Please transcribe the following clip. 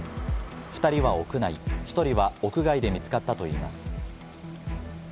２人は屋内、１人は屋外で見つかったといいます。